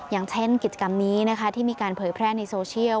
อย่างเช่นกิจกรรมนี้นะคะที่มีการเผยแพร่ในโซเชียล